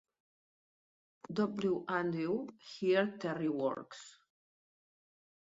W. Awdry: "Here Terry works".